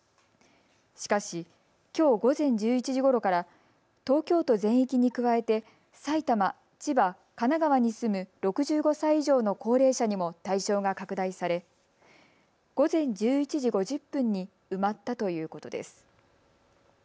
しかしきょう午前１１時ごろから東京都全域に加えて埼玉、千葉、神奈川に住む６５歳以上の高齢者にも対象が拡大され午前１１時５０分に埋まったということです。